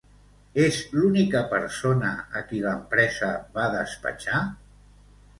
És l'única persona a qui l'empresa va despatxar?